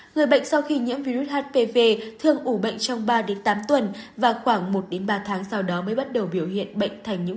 người bệnh sau khi nhiễm virus hpv thường ủ bệnh trong ba tám tuần và khoảng một ba tháng sau đó mới bắt đầu biểu hiện bệnh thành nhiễm